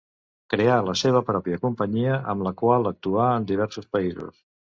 Creà la seva pròpia companyia amb la qual actuà en diversos països.